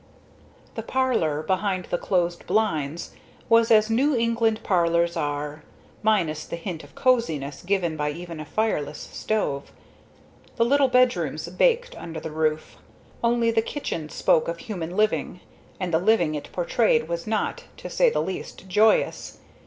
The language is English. The parlor, behind the closed blinds, was as New England parlors are; minus the hint of cosiness given by even a fireless stove; the little bedrooms baked under the roof; only the kitchen spoke of human living, and the living it portrayed was not, to say the least, joyous.